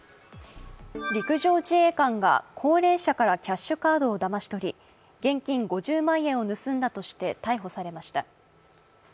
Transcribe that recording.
陸上自衛官が高齢者からキャッシュカードをだまし取り現金５０万円を盗んだとして逮捕されました。